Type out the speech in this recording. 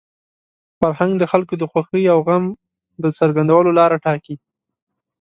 فرهنګ د خلکو د خوښۍ او غم د څرګندولو لاره ټاکي.